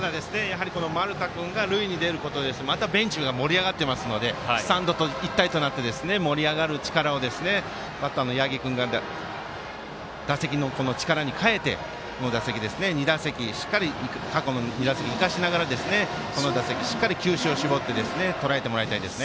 丸田君が塁に出るとベンチが盛り上がってますのでスタンドと一体になって盛り上がる力をバッターの八木君が力に変えてこの打席２打席、しっかり生かしながらこの打席、球種を絞ってとらえてもらいたいですね。